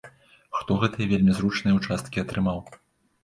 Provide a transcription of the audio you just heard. Хто гэтыя вельмі зручныя ўчасткі атрымаў?